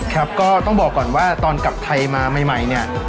ครับก็ต้องบอกก่อนว่าตอนกลับไทยมาใหม่เนี่ย